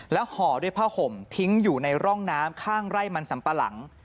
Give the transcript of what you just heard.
ห่อด้วยผ้าห่มทิ้งอยู่ในร่องน้ำข้างไร่มันสัมปะหลัง